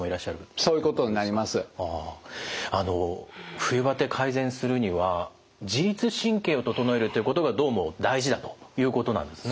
冬バテ改善するには自律神経を整えるということがどうも大事だということなんですね。